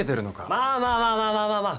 まあまあまあまあまあまあまあ。